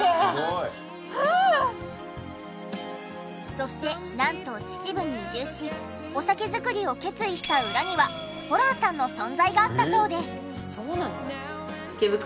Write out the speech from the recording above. そしてなんと秩父に移住しお酒造りを決意した裏にはホランさんの存在があったそうで。